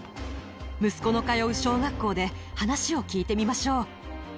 息子の通う小学校で、話を聞いてみましょう。